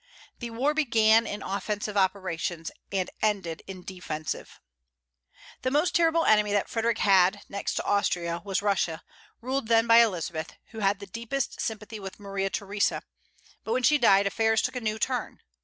The war began in offensive operations, and ended in defensive. The most terrible enemy that Frederic had, next to Austria, was Russia, ruled then by Elizabeth, who had the deepest sympathy with Maria Theresa; but when she died, affairs took a new turn.